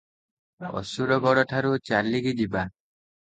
ଅସୁରଗଡଠାରୁ ଚାଲିକି ଯିବା ।